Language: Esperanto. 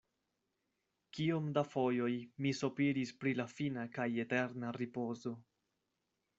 Kiom da fojoj mi sopiris pri la fina kaj eterna ripozo.